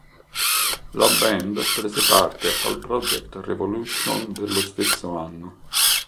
La band prese parte al Projekt Revolution dello stesso anno.